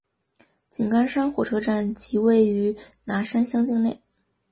井冈山火车站即位于拿山乡境内。